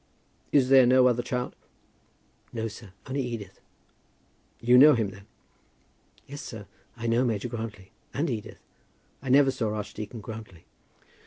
"Is there no other child?" "No, sir; only Edith." "You know him, then?" "Yes, sir; I know Major Grantly, and Edith. I never saw Archdeacon Grantly."